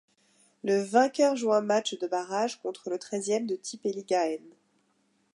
Le vainqueur joue un match de barrage contre le treizième de Tippeligaen.